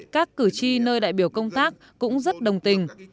các cử tri nơi đại biểu công tác cũng rất đồng tình